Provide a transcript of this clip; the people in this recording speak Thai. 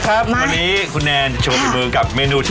เข้าไปนะคะก่อนอื่นขอใส่ส่วนผสมกันนะคะ